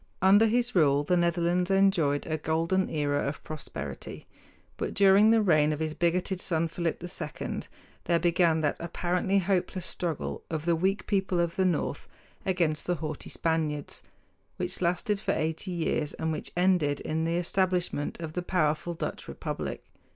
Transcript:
Under his rule the Netherlands enjoyed a golden era of prosperity; but during the reign of his bigoted son, Philip II, there began that apparently hopeless struggle of the weak people of the north against the haughty Spaniards, which lasted for eighty years and which ended in the establishment of the powerful Dutch republic.